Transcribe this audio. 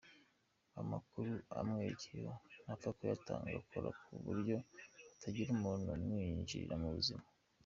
Amakuru amwerekeyeho ntapfa kuyatanga akora ku buryo hatagira umuntu umwinjirira mu buzima.